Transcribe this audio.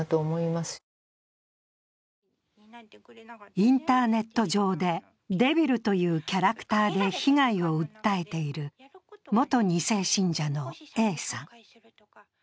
インターネット上で「デビル」というキャラクターで被害を訴えている元２世信者のＡさん。